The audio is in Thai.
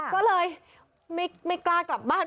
ก็เลยไม่กล้ากลับบ้าน